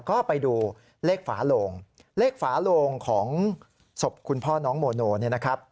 ก็ไปดูเลขฝาโลงเลขฝาโลงของศพคุณพ่อน้องโมโนเนี่ยนะครับ